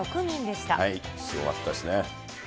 すごかったですね。